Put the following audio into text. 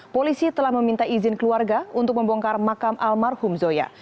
polisi telah meminta izin keluarga untuk membongkar makam almarhum zoya